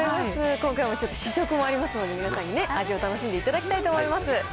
今回はちょっと試食もありますので、皆さんに味を楽しんでいただきたいと思います。